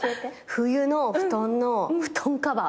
冬の布団の布団カバー。